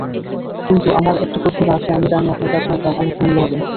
কিন্তু আমার একটা প্রতিভা আছে, আমি জানি আপনার কাছে তার মূল্য হবে অনেক।